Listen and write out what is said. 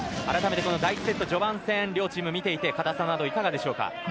第１セット序盤戦両チーム見ていてかたさなどいかがでしょうか。